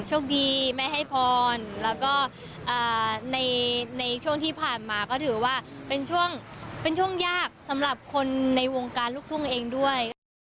โชคดีไม่ให้พรแล้วก็ในช่วงที่ผ่านมาก็ถือว่าเป็นช่วงเป็นช่วงยากสำหรับคนในวงการลูกทุ่งเองด้วยค่ะ